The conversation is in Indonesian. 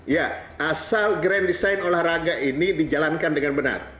ya asal grand design olahraga ini dijalankan dengan benar